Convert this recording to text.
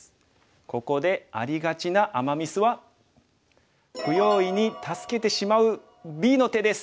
ここでありがちなアマ・ミスは不用意に助けてしまうＢの手です。